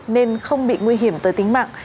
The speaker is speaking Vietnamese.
nên không bị nguy hiểm tới tính mạng